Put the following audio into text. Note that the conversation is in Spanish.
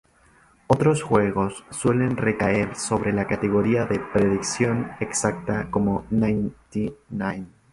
Otros juegos suelen recaer sobre la categoría de predicción exacta como Ninety-nine.